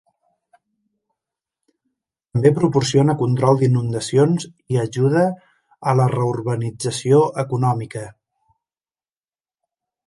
També proporciona control d'inundacions i ajuda a la reurbanització econòmica.